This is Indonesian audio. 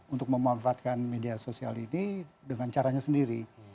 untuk memanfaatkan media sosial ini dengan caranya sendiri